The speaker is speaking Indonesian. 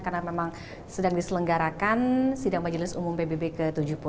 karena memang sedang diselenggarakan sidang majelis umum pbb ke tujuh puluh delapan